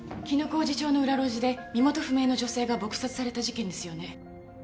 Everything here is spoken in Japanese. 絹小路町の裏路地で身元不明の女性が撲殺された事件ですよね？